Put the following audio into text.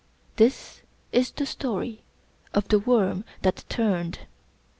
This is the story of the worm that turned.